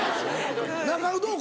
中野どう？